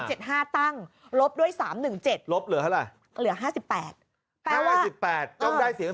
๓๗๕เอา๓๗๕ตั้งลบด้วย๓๑๗ลบเหลืออะไรเหลือ๕๘๕๘ต้องได้เสียง